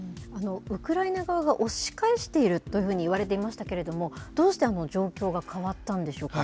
ウクライナ側が押し返しているというふうに言われていましたけれども、どうして状況が変わったんでしょうか。